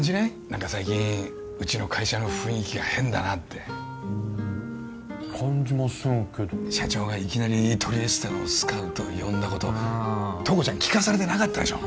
何か最近うちの会社の雰囲気が変だなってうん感じませんけど社長がいきなりトリエステのスカウト呼んだことああ塔子ちゃん聞かされてなかったでしょ